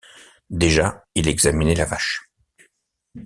Déjà, il examinait la vache.